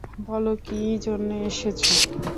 বলো, কি জন্যে এসেছো?